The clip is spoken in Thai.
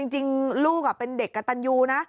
จริงลูกเป็นเด็กกระตันยูนะ